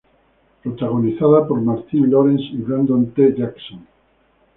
Protagonizada por Martin Lawrence y Brandon T. Jackson.